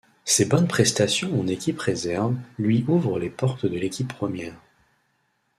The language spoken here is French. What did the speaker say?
Ses bonnes prestations en équipe réserve lui ouvrent les portes de l'équipe première.